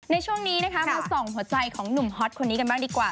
ในช่วงนี้นะคะมาส่องหัวใจของหนุ่มฮอตคนนี้กันบ้างดีกว่า